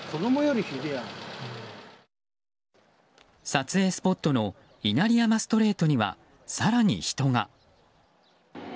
撮影スポットの稲荷山ストレートには、更に人が。